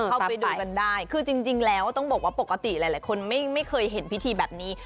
เข้าไปดูกันได้คือจริงแล้วต้องบอกว่าปกติหลายคนไม่เคยเห็นพิธีแบบนี้